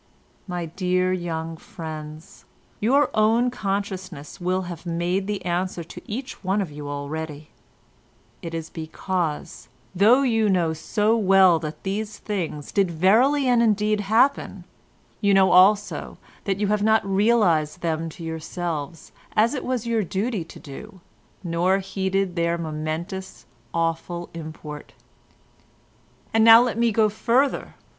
My dear young friends, your own consciousness will have made the answer to each one of you already; it is because, though you know so well that these things did verily and indeed happen, you know also that you have not realised them to yourselves as it was your duty to do, nor heeded their momentous, awful import. "And now let me go further.